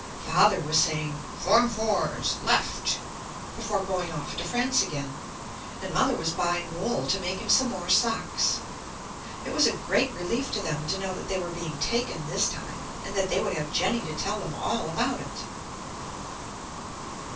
Father was saying, "Form fours, left," before going off to France again, and Mother was buying wool to make him some more socks. It was a great relief to them to know that they were being taken this time, and that they would have Jenny to tell them all about it.